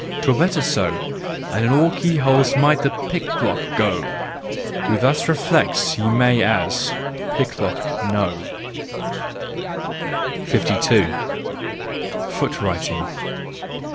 'Twere better so And in all keyholes might the pick lock go! " Who thus reflects ye may as—picklock know. 52. Foot Writing.